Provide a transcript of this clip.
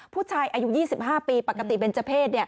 ผู้ชายอายุ๒๕ปีปกติเบนเจอร์เพศ